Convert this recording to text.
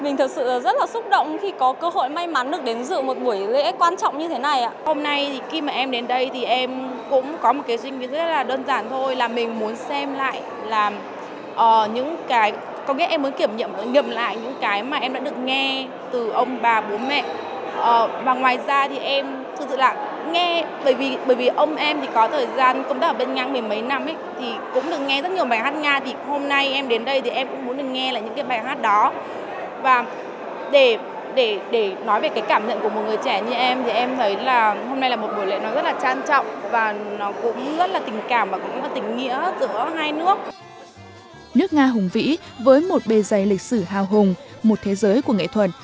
nước nga hùng vĩ với một bề dày lịch sử hào hùng một thế giới của nghệ thuật